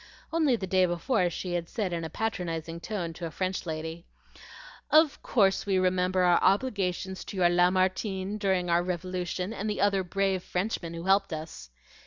Only the day before she had said in a patronizing tone to a French lady, "Of course we remember our obligations to your Lamartine during our Revolution, and the other brave Frenchmen who helped us."